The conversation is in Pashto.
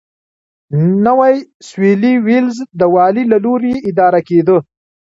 نوی سوېلي ویلز د والي له لوري اداره کېده.